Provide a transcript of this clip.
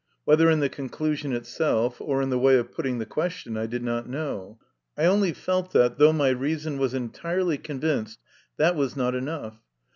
Whether in the conclusion itself, or in the way of putting the question, I did not know ; I only felt that, though my reason was entirely convinced, that was not enough.